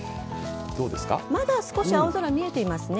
まだ少し青空、見えていますね。